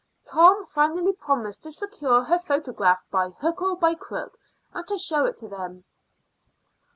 Tom finally promised to secure her photograph by hook or by crook, and to show it to them.